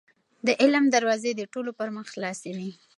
د علم دروازې د ټولو پر مخ خلاصې دي.